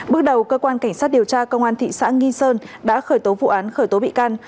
bước đầu cơ quan cảnh sát điều tra công an thị xã nghi sơn đã khởi tố vụ án khởi tố bị can